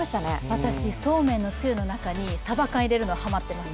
私、そうめんのつゆの中にさば缶入れるのハマってます。